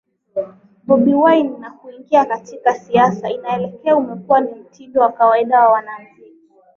Bobi Wine na kuingia katika siasa Inaelekea umekuwa ni mtindo wa kawaida kwa wanamuziki